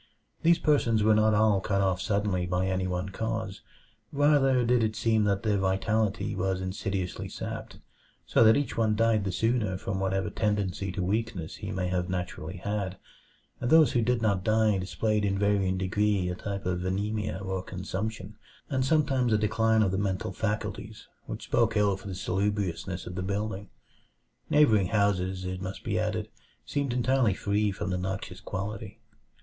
These persons were not all cut off suddenly by any one cause; rather did it seem that their vitality was insidiously sapped, so that each one died the sooner from whatever tendency to weakness he may have naturally had. And those who did not die displayed in varying degree a type of anemia or consumption, and sometimes a decline of the mental faculties, which spoke ill for the salubriousness of the building. Neighboring houses, it must be added, seemed entirely free from the noxious quality.